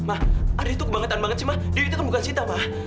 andre tuh kebangetan banget sih ma dewi tuh bukan sita ma